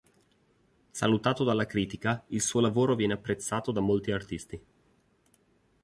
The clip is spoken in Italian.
Salutato dalla critica, il suo lavoro viene apprezzato da molti artisti.